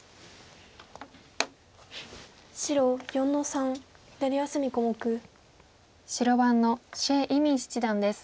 白４の三左上隅小目白番の謝依旻七段です。